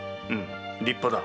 立派だ。